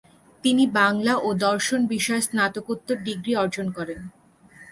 তিনি 'বাংলা ও দর্শন' বিষয়ে স্নাতকোত্তর ডিগ্রী অর্জন করেন।